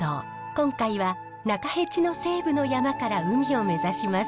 今回は中辺路の西部の山から海を目指します。